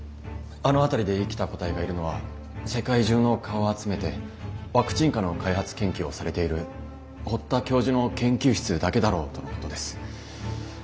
あの辺りで生きた個体がいるのは世界中の蚊を集めてワクチン蚊の開発研究をされている堀田教授の研究室だけだろうとのことです。